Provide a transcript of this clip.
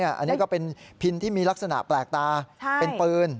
อันนี้ก็เป็นพินที่มีลักษณะแปลกตาเป็นปืน